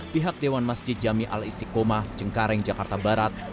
pihak dewan masjid jami al istiqomah cengkareng jakarta barat